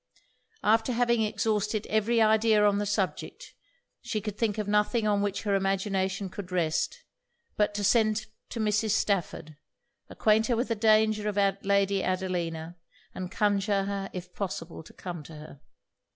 After having exhausted every idea on the subject, she could think of nothing on which her imagination could rest, but to send to Mrs. Stafford, acquaint her with the danger of Lady Adelina, and conjure her if possible to come to her.